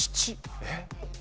えっ？